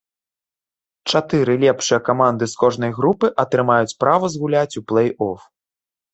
Чатыры лепшыя каманды з кожнай групы атрымаюць права згуляць у плэй-оф.